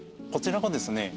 こちらはですね